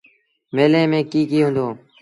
ميلي ميݩ ڪيٚ ڪيٚ هُݩدو۔